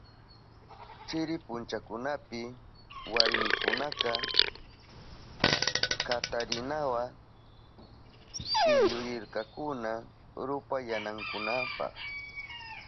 Chiri punchakunapi warmikunaka katarinawa pillurirkakuna rupayanankunapa.